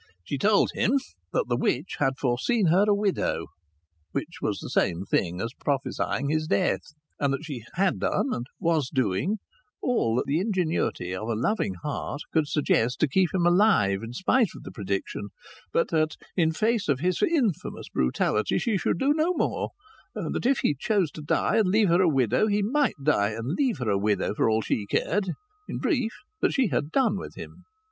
She told him that the witch had foreseen her a widow (which was the same thing as prophesying his death), and that she had done, and was doing, all that the ingenuity of a loving heart could suggest to keep him alive in spite of the prediction, but that, in face of his infamous brutality, she should do no more; that if he chose to die and leave her a widow he might die and leave her a widow for all she cared; in brief, that she had done with him.